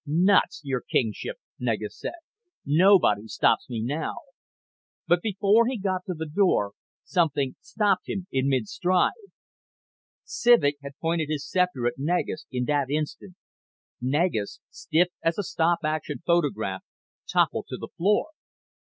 "Nuts, Your Kingship," Negus said. "Nobody stops me now." But before he got to the door something stopped him in mid stride. Civek had pointed his scepter at Negus in that instant. Negus, stiff as a stop action photograph, toppled to the floor.